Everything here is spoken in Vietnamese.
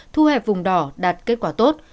thu hẹp vùng đỏ đạt kết quả tốt